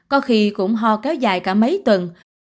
có khi cũng ho kéo dài cả mấy tuần